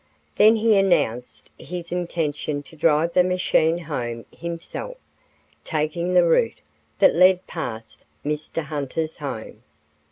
Then he announced his intention to drive the machine home himself, taking the route that led past Mr. Hunter's home.